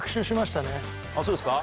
そうですか？